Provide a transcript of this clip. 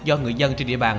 do người dân trên địa bàn